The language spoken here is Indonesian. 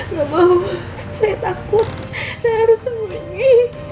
nggak nggak mau saya takut saya harus sembunyi